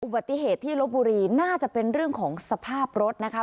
ปฏิเหตุที่ลบบุรีน่าจะเป็นเรื่องของสภาพรถนะคะ